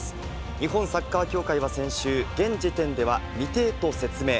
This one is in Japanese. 日本サッカー協会は先週、現時点では未定と説明。